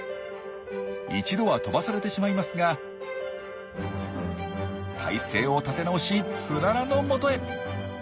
一度は飛ばされてしまいますが体勢を立て直しツララのもとへ。